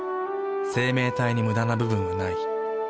生命体にムダな部分はない。